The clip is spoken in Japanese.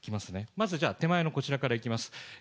まずじゃあ、手前のこちらからいきます。